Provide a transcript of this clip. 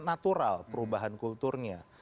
natural perubahan kulturnya